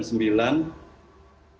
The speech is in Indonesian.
datang jam sembilan